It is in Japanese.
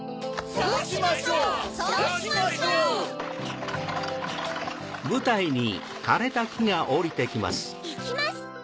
そうしましょう！いきます！